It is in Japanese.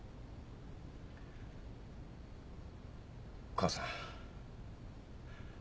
母さん。